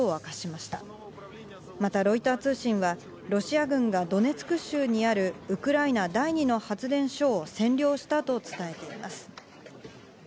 またロイター通信はロシア軍がドネツク州にあるウクライナ第２の発電所を占領したと伝えています。